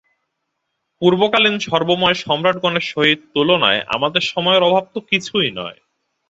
পূর্বকালীন সর্বময় সম্রাটগণের সহিত তুলনায় আমাদের সময়ের অভাব তো কিছুই নয়।